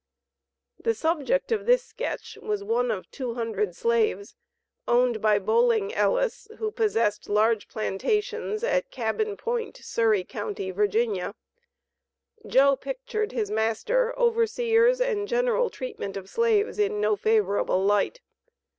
The subject of this sketch was one of two hundred slaves, owned by Bolling Ellis, who possessed large plantations at Cabin Point, Surrey Co., Va. Joe pictured his master, overseers, and general treatment of slaves in no favorable light.